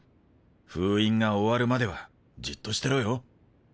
封印が終わるまではじっとしてろよ。